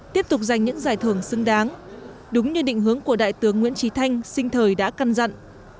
tiếp tục giành những giải thưởng xứng đáng đúng như định hướng của đại tướng nguyễn trí thanh sinh thời đã căn dặn